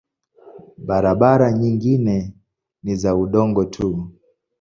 Barabara nyingine ni za udongo tu.